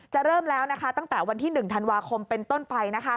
จะเริ่มแล้วตั้งแต่วันที่๑ธันวาคมเป็นต้นไป